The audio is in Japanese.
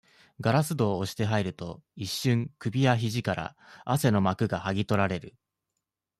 ガラス扉を押して入ると、一瞬、首や肘から、汗の膜が剥ぎとられる。